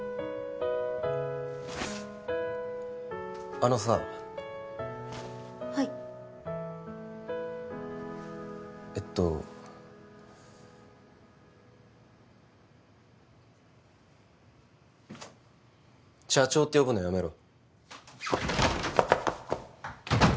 あのさはいえっと社長って呼ぶのやめろ